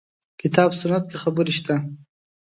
کتاب سنت کې خبرې شته.